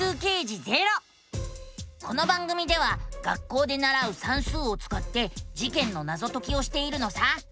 この番組では学校でならう「算数」をつかって事件のナゾ解きをしているのさ。